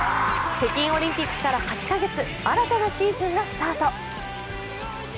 北京オリンピックから８か月新たなシーズンがスタート。